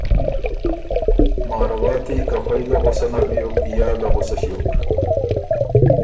مارواتی که خوئ ګه غصه نر بیوک، یا ګه غُصه ݭیوک،